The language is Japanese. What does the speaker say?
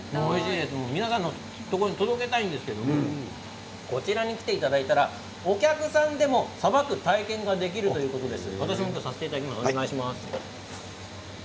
皆さんにこの味を届けたいですがこちらに来ていただいたらお客さんでもさばく体験ができるということです。